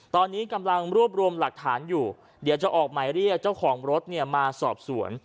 ตอนนี้กำลังรวบรวมหลักฐานอยู่เดี๋ยวจะออกหมายเรียกเจ้าของรถเนี่ยมาสอบสวน